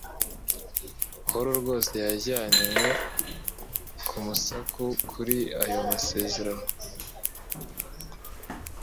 Pawulo rwose yajyanywe kumasuku kuri ayo masezerano